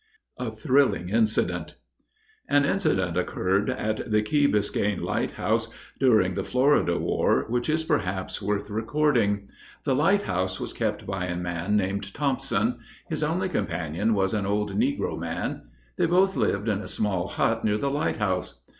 A THRILLING INCIDENT. An incident occurred at the Key Biscayne lighthouse, during the Florida war, which is perhaps worth recording. The lighthouse, was kept by a man named Thompson. His only companion was an old negro man; they both lived in a small hut near the lighthouse.